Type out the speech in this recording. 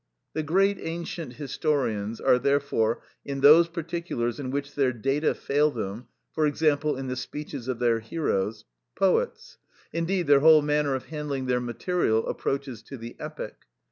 (59) The great ancient historians are, therefore, in those particulars in which their data fail them, for example, in the speeches of their heroes—poets; indeed their whole manner of handling their material approaches to the epic.